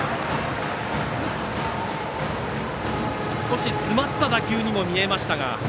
少し詰まった打球にも見えましたが。